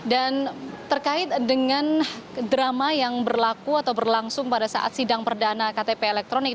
dan terkait dengan drama yang berlaku atau berlangsung pada saat sidang perdana ktp elektronik